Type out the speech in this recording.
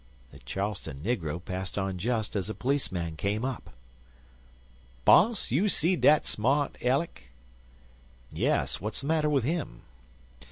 The Charleston negro passed on just as a police man' came up. "Boss, you see dat smart Ellick?" "Yes, what's the matter with him?"